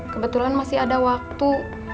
kebetulan masih ada waktu